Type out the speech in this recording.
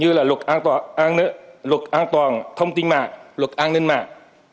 như là luật an toàn thông tin mạng luật an ninh mạng